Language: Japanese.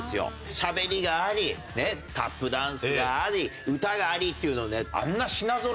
しゃべりがありタップダンスがあり歌がありっていうのであんな品ぞろえあります？